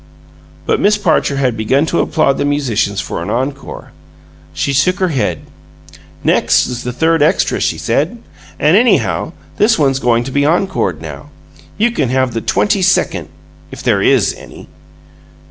But Miss Parcher had begun to applaud the musicians for an encore. She shook her head. "Next's the third extra," she said. "And, anyhow, this one's going to be encored now. You can have the twenty second if there IS any!"